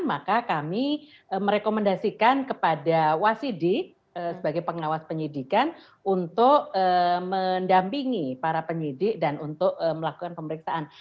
maka kami merekomendasikan kepada wasidik sebagai pengawas penyidikan untuk mendampingi para penyidik dan untuk melakukan pemeriksaan